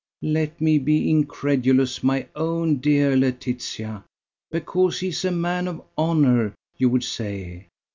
Let me be incredulous, my own dear Laetitia. Because he is a man of honour, you would say!